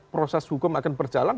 proses hukum akan berjalan